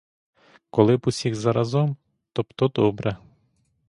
Коли б усіх заразом — то б то добре!